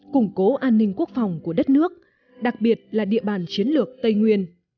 củng cố an ninh quốc phòng của đất nước đặc biệt là địa bàn chiến lược tây nguyên